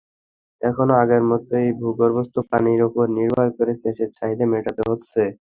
এখনো আগের মতোই ভূগর্ভস্থ পানির ওপর নির্ভর করে সেচের চাহিদা মেটাতে হচ্ছে।